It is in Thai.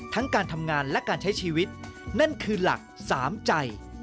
ทั้งการทำงานและการใช้ชีวิตนั่นคือหลักสามใจ